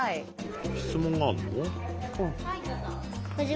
質問があるの？